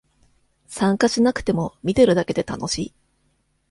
参加しなくても見てるだけで楽しい